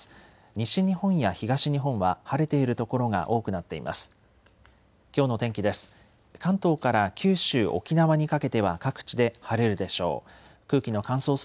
西日本や東日本は晴れている所が多くなっています。